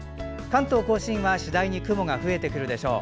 関東・甲信は次第に雲が増えてくるでしょう。